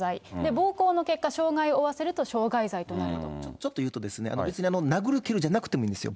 暴行の結果、ちょっと言うと、別に殴る蹴るじゃなくてもいいんですよ。